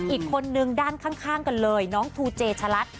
อีกคนนึงด้านข้างกันเลยน้องทูเจชะลัด